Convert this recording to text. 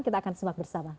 kita akan sembah bersama